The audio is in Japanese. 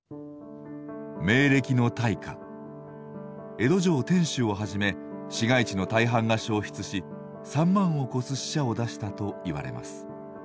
江戸城天守をはじめ市街地の大半が焼失し３万を超す死者を出したといわれます。